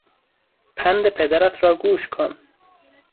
پند پدرت را گوش کن!